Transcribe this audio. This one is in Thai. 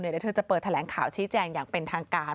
เดี๋ยวเธอจะเปิดแถลงข่าวชี้แจงอย่างเป็นทางการ